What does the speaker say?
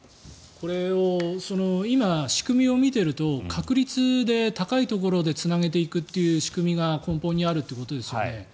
これを今、仕組みを見ていると確率で高いところでつなげていくという仕組みが根本にあるということですよね。